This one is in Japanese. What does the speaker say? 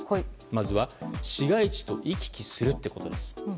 まずは市街地と行き来するということです。